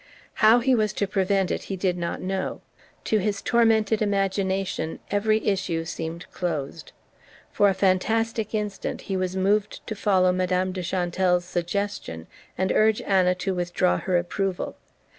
How he was to prevent it he did not know: to his tormented imagination every issue seemed closed. For a fantastic instant he was moved to follow Madame de Chantelle's suggestion and urge Anna to withdraw her approval.